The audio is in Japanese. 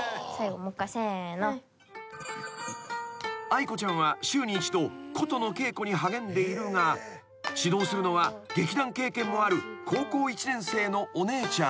［愛子ちゃんは週に一度琴の稽古に励んでいるが指導するのは劇団経験もある高校１年生のお姉ちゃん］